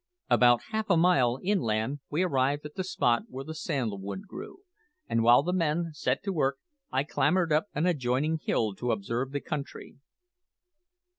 About half a mile inland we arrived at the spot where the sandal wood grew, and while the men set to work I clambered up an adjoining hill to observe the country.